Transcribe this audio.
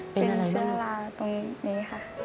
เป็นอะไรลูกอเรนนี่เชื้อราตรงนี้ค่ะ